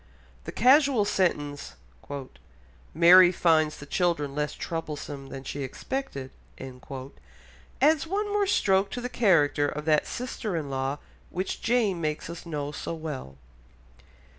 The casual sentence "Mary finds the children less troublesome than she expected," adds one more stroke to the character of that sister in law which Jane makes us know so well.